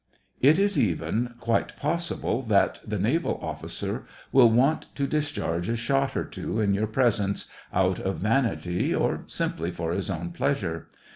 It is even quite possible that the naval offi cer will want to discharge a shot or two in your presence, out of vanity or simply for his own pleasure.